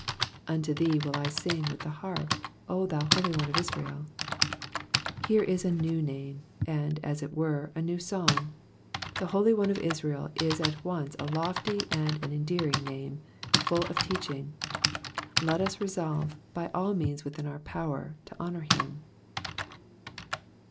''Unto thee will I sing with the harp, 0 thou Holy One oj Israel.'*'' Here is a new name, and, as it were, a new song. The Holy One of Israel is at once a lofty and an endearing name, full of teaching. Let us resolve, by all means within our power, to honour him.